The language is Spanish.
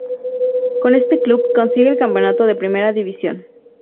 Con este club consigue el Campeonato de Primera División.